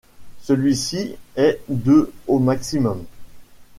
Celui-ci est de au maximum.